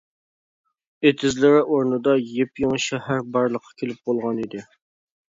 ئېتىزلىرى ئورنىدا يېپيېڭى شەھەر بارلىققا كېلىپ بولغانىدى.